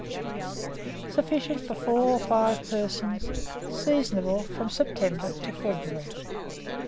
each. Sufficient for 4 or 5 persons. Seasonable from September to February.